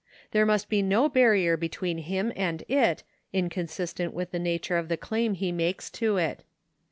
There must be no barrier between him and it, inconsistent with the nature of the claim he makes to it.